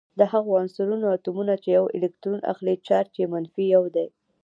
د هغو عنصرونو اتومونه چې یو الکترون اخلي چارج یې منفي یو دی.